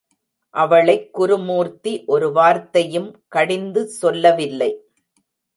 அவளைக் குருமூர்த்தி ஒரு வார்த்தையும் கடிந்து சொல்லவில்லை.